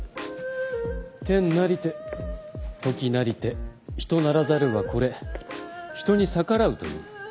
「天作りて時作りて人作らざるはこれ人に逆らうと謂う」